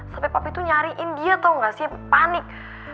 sampai papi tuh nyariin dia tau gak sih panik